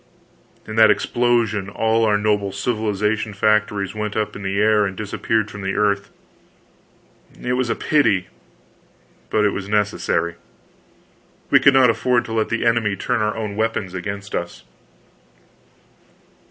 In that explosion all our noble civilization factories went up in the air and disappeared from the earth. It was a pity, but it was necessary. We could not afford to let the enemy turn our own weapons against us.